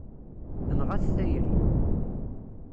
Tenɣa-t tayri.